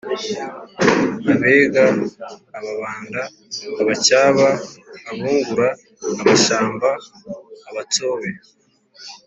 Abega, Ababanda, Abacyaba, Abungura, Abashambo, Abatsobe,